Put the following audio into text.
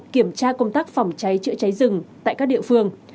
kiểm tra công tác phòng cháy chữa cháy rừng tại các địa phương